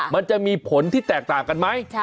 มันจะมีผลที่แตกต่างกันไหม